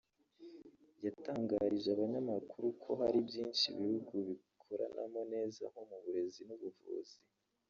yatangarije abanyamakuru ko hari byinshi ibihugu bikoranamo neza nko mu burezi n’ubuvuzi